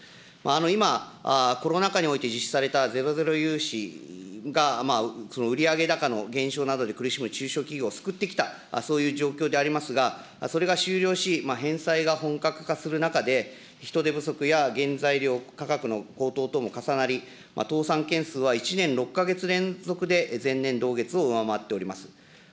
今、コロナ禍において実施されたゼロゼロ融資が売上高の減少などで苦しむ中小企業を救ってきた、そういう状況でありますが、それが終了し、返済が本格化する中で、人手不足や原材料価格の高騰とも重なり、倒産件数は１年６か月連続で、前年同月を上回っております。